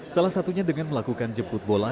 salah satunya dengan melakukan jemput bola